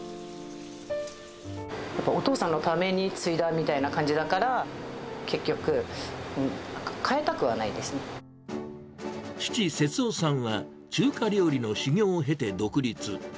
やっぱお父さんのために継いだみたいな感じだから、結局、父、節夫さんは中華料理の修業を経て独立。